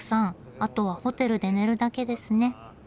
あとはホテルで寝るだけですね。